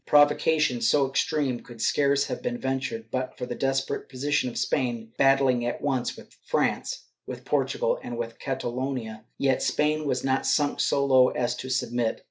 Provocation so extreme could scarce have been ventured but for the desperate position of Spain, battling at once with France, with Portugal and with Catalonia. Yet Spain was not sunk so low as to submit.